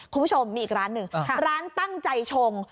คุณผู้ชมมีอีกร้านหนึ่งร้านตั้งใจชง